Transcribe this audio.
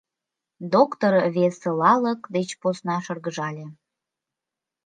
Доктыр веселалык деч посна шыргыжале.